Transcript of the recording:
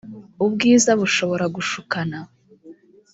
ubwiza bushobora gushukana